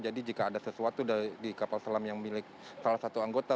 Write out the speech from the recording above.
jadi jika ada sesuatu di kapal selam yang milik salah satu anggota